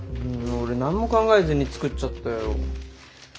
俺何も考えずに作っちゃったよ。